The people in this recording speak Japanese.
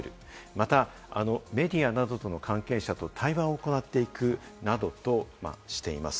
また、メディアなどの関係者と対話を行っていくなどとしています。